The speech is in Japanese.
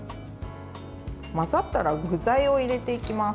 混ざったら具材を入れていきます。